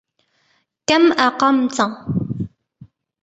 كَم أقمت؟